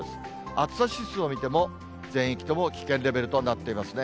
暑さ指数を見ても、全域とも危険レベルとなっていますね。